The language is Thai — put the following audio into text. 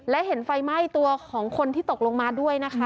และเห็นไฟไหม้ตัวของคนที่ตกลงมาด้วยนะคะ